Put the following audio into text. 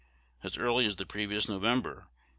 As early as the previous November, Gov.